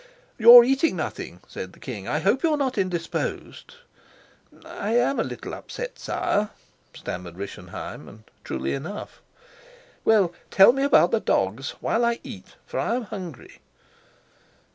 "You're eating nothing," said the king. "I hope you're not indisposed?" "I am a little upset, sire," stammered Rischenheim, and truly enough. "Well, tell me about the dogs while I eat, for I'm hungry."